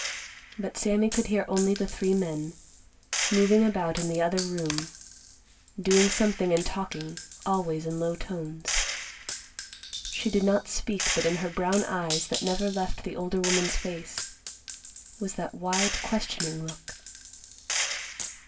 But Sammy could hear only the three men, moving about in the other room, doing something and talking always in low tones. She did not speak, but in her brown eyes, that never left the older woman's face, was that wide, questioning look.